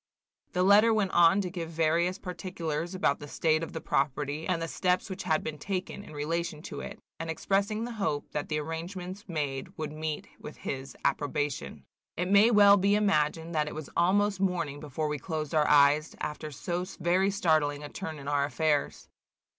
The letter went on to give various particulars about the state of the property, and the steps which had been taken in relation to it, and expressing the hope that the arrangements made would meet with his approbation. It may well be imagined that it was almost morning before we closed our eyes, after so very startling a turn in our affairs.